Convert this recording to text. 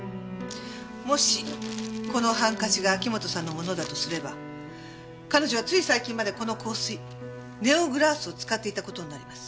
もしこのハンカチが秋本さんの物だとすれば彼女はつい最近までこの香水ネオ・グラースを使っていた事になります。